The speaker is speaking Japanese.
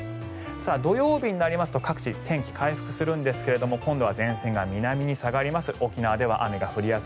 土曜日になりますと各地、天気が回復するんですが今度は前線が南に下がります。